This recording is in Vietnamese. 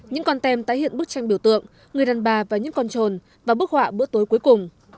những con tem tái hiện bức tranh biểu tượng người đàn bà và những con trồn và bức họa bữa tối cuối cùng